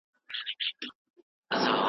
د هر خره به ورته جوړه وي لغته